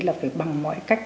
là phải bằng mọi cách